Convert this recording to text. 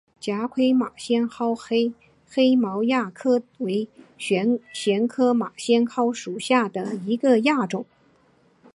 狭盔马先蒿黑毛亚种为玄参科马先蒿属下的一个亚种。